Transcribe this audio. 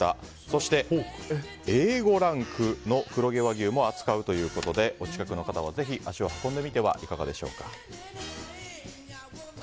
そしてＡ５ランクの黒毛和牛も扱うということでお近くの方はぜひ足を運んでみてはいかがでしょうか。